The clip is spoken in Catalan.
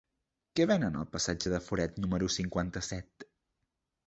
Què venen al passatge de Foret número cinquanta-set?